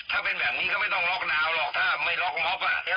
ถ้าเป็นแบบนี้ก็ไม่ต้องล็อกดาวน์หรอกถ้าไม่ล็อกม็อบ